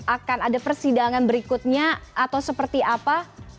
akan ada persidangan berikutnya atau seperti apa